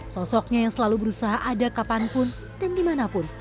sosoknya yang selalu berusaha ada kapanpun dan dimanapun